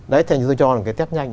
đấy thế nên tôi cho là cái test nhanh